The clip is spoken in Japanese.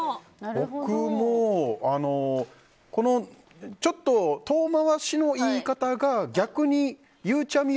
僕もちょっと遠回しの言い方が逆にゆうちゃみ